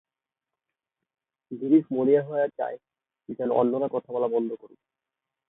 গিলিস মরিয়া হয়ে চায় যেন অন্যেরা কথা বলা বন্ধ করে দেয়।